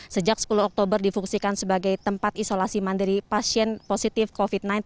sejak sepuluh oktober difungsikan sebagai tempat isolasi mandiri pasien positif covid sembilan belas